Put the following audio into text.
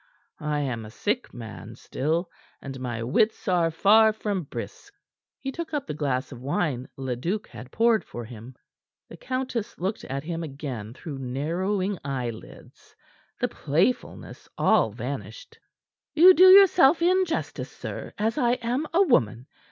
I am a sick man still, and my wits are far from brisk." He took up the glass of wine Leduc had poured for him. The countess looked at him again through narrowing eyelids, the playfulness all vanished. "You do yourself injustice, sir, as I am a woman.